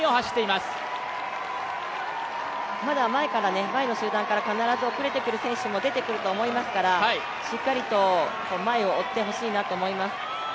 まだ前の集団から、必ず後れてくる選手も出てくると思いますからしっかりと前を追ってほしいなと思います。